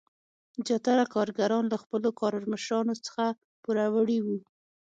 زیاتره کارګران له خپلو کارمشرانو څخه پوروړي وو.